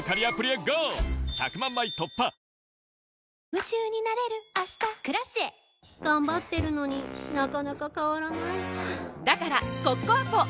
夢中になれる明日「Ｋｒａｃｉｅ」頑張ってるのになかなか変わらないはぁだからコッコアポ！